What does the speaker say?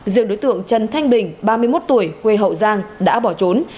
riêng đối tượng trần thanh bình ba mươi một tuổi quê hậu giang đã bỏ trốn